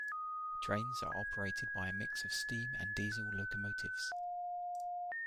Trains are operated by a mix of steam and diesel locomotives.